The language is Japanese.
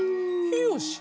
よし！